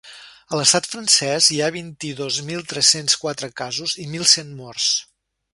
A l’estat francès hi ha vint-i-dos mil tres-cents quatre casos i mil cent morts.